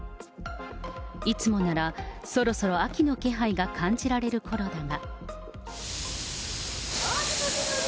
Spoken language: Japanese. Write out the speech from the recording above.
いつもならそろそろ秋の気配が感じられるころだが。